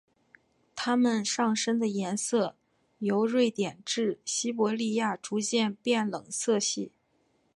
它们上身的颜色由瑞典至西伯利亚逐渐变冷色系。